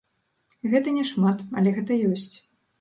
Гэта няшмат, але гэта ёсць.